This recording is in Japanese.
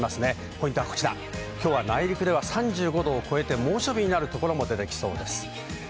ポイントはこちら、今日は内陸では３５度を超えて、猛暑日になるところも出てきそうです。